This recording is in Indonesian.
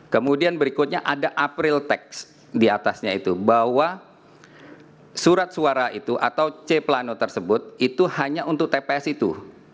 kemudian berikutnya ada april text diatasnya itu bahwa surat suara itu atau c pleno tersebut itu hanya untuk tps itu